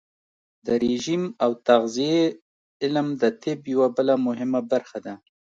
د رژیم او تغذیې علم د طب یوه بله مهمه برخه ده.